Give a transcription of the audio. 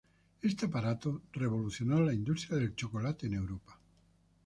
Este aparato revolucionó la industria del chocolate en Europa.